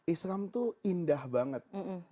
islam tuh indah banget